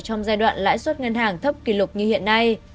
trong giai đoạn lãi suất ngân hàng thấp kỷ lục như hiện nay